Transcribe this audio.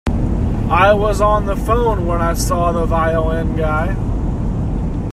I was on the phone when I saw the violin guy.